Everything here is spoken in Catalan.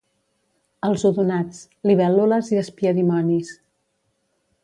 Els odonats: libèl·lules i espiadimonis